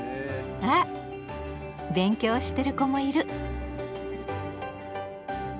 あ勉強してる子もいる！